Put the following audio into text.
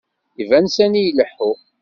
Iban sani ileḥḥu..